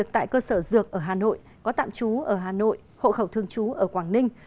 tại cơ sở dược ở hà nội có tạm chú ở hà nội hộ khẩu thương chú ở quảng ninh